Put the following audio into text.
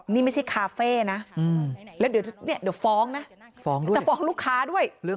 นี่ไม่ใช่คาเฟ่นะแล้วเดี๋ยวฟ้องนะฟ้องด้วยจะฟ้องลูกค้าด้วย